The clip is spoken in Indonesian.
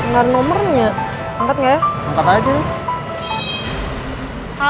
lama banget sih lagunya